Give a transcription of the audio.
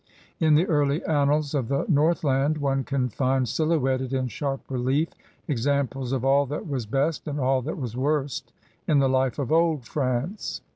In the early annals of the northland one can find silhouetted in sharp relief examples of all that was best and all that was worst in the life of Old France.